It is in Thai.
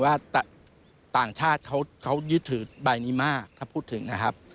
ว่าต่างชาติเขายึดถือใบนี้มากถ้าพูดถึงนะครับ